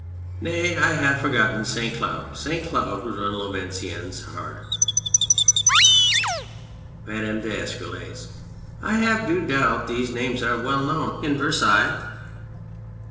. nay, I have for gotten St. Cloud. St. Cloud would run Louveciennes hard. MADAME D'ESCUROLLES. I have do doubt these names are well known in Versailles.